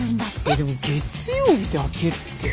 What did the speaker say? でも月曜日だけって。